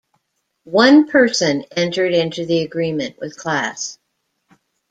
One person entered into the agreement with Klass.